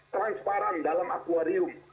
transparan dalam akwarium